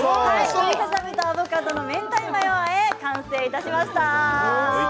鶏ささ身とアボカドの明太マヨあえ完成しました。